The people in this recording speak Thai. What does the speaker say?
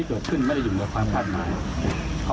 การทำให้มันตามกฎหมายจะพูดมาก